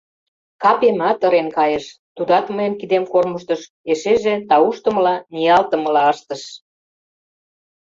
Капемат ырен кайыш: тудат мыйын кидем кормыжтыш, эшеже, тауштымыла, ниялтымыла ыштыш.